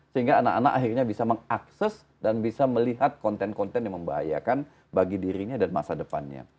sehingga anak anak akhirnya bisa mengakses dan bisa melihat konten konten yang membahayakan bagi dirinya dan masa depannya